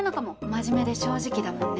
真面目で正直だもんね。